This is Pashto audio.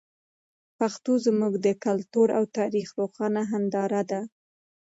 پښتو زموږ د کلتور او تاریخ روښانه هنداره ده.